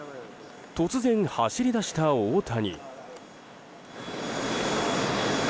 突然、走り出した大谷。